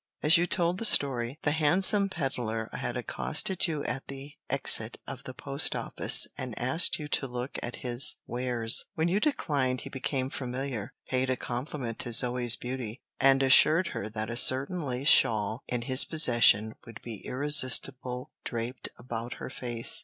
As you told the story, the handsome peddler had accosted you at the exit of the post office and asked you to look at his wares. When you declined he became familiar, paid a compliment to Zoe's beauty, and assured her that a certain lace shawl in his possession would be irresistible draped about her face.